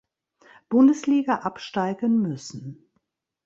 Bundesliga absteigen müssen.